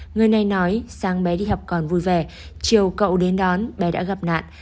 người này nói sáng bé đi học còn vui vẻ chiều cậu đến đón bé đã gặp nạn